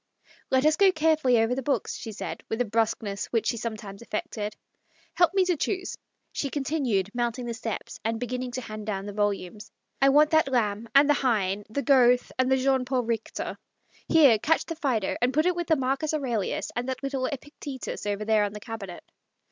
" Let us go carefully over the books," she said, with a brusqueness which she sometimes affected. " Help me to choose," she continued, mounting the steps and beginning to hand down the volumes. " I want that Lamb and the Heine, the Goethe and the Jean Paul Kichter. Here, catch the Phsedo, and put it with the Marcus Aurelius and that little Epictetus over there on the cabinet."